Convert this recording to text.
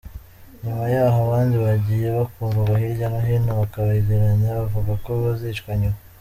Nyuma y’aho abandi bagiye bakurwa hirya no hino, bakabegeranya bavuga ko bazicwa nyuma.